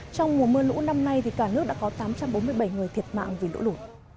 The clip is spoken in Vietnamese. trong mùa mưa lũ năm nay cả nước đã có tám trăm bốn mươi bảy người thiệt mạng vì lũ lụt